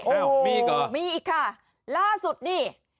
เอ้ามีอีกเหรอมีอีกค่ะล่าสุดนี่